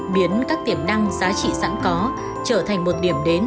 biến các tiềm năng giá trị sẵn có trở thành một điểm đến